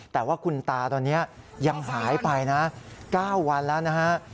แต่ว่าคุณตาตอนนี้ยังหายไปนะ๙วันแล้วนะฮะ